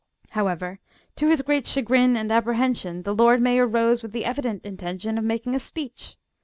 However, to his great chagrin and apprehension, the Lord Mayor rose with the evident intention of making a speech.